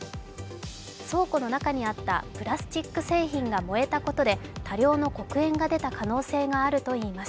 倉庫の中にあったプラスチック製品が燃えたことで多量の黒煙が出た可能性があるといいます。